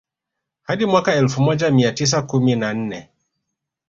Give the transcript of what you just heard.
Hadi mwaka elfu moja mia tisa kumi na nne